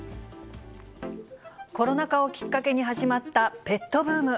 コロナ禍をきっかけに始まったペットブーム。